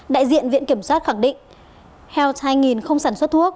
đại diện viện kiểm sát khẳng định health hai nghìn không sản xuất thuốc